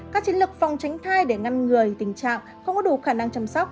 các chiến lược phòng tránh thai để ngăn người tình trạng không có đủ khả năng chăm sóc